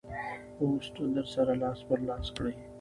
پوسټ در سره لاس پر لاس کړئ.